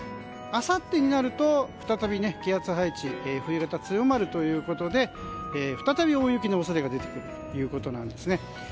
あさってになると、再び気圧配置冬型、強まるということで再び大雪の恐れが出てくるということです。